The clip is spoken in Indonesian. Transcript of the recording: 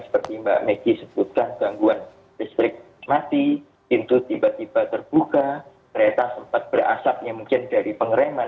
seperti mbak megi sebutkan gangguan listrik mati pintu tiba tiba terbuka kereta sempat berasapnya mungkin dari pengereman